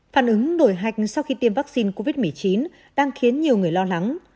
phản ứng đổi hạch sau khi tiêm vaccine covid một mươi chín đang khiến nhiều người lo lắng